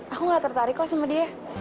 aku gak tertarik kok sama dia